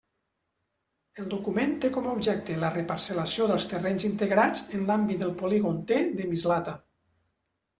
El document té com a objecte la reparcel·lació dels terrenys integrats en l'àmbit del polígon T de Mislata.